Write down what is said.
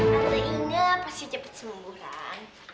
tante inga pasti cepat sembuh ran